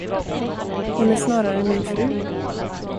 Hon är snarare min fru.